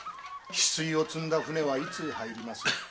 翡翠を積んだ船はいつ入ります？